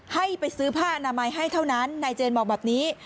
ให้ไปซื้อผ้าอนามัยให้เท่านั้นนายเจนบอกแบบนี้